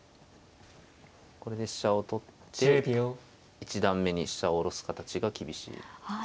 これで飛車を取って一段目に飛車を下ろす形が厳しいですね。